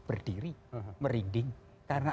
berdiri merinding karena